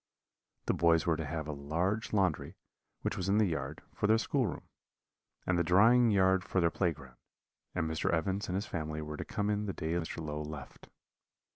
The boys were to have a large laundry, which was in the yard, for their schoolroom, and the drying yard for their play ground; and Mr. Evans and his family were to come in the day Mr. Low left.